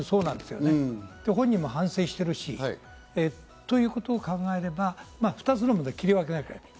本人も反省しているし、ということを考えれば２つの部分で切り分けなきゃいけない。